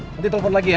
nanti telfon lagi ya